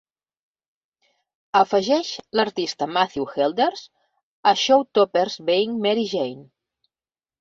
afegeix l'artista Matthew Helders a Showstopper Being Mary Jane